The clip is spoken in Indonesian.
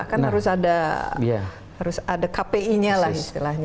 kan harus ada kpi nya lah istilahnya